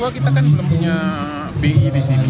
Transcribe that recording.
kita kan belum punya bi di sini